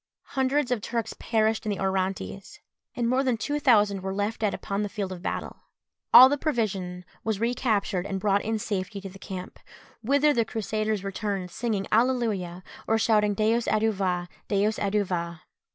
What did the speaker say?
Hundreds of Turks perished in the Orontes, and more than two thousand were left dead upon the field of battle. All the provision was recaptured and brought in safety to the camp, whither the Crusaders returned singing Alleluia! or shouting _Deus adjuva! Deus adjuva!